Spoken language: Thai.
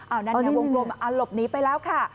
อ้าวนั่นแหละวงกลมหลบหนีไปแล้วค่ะ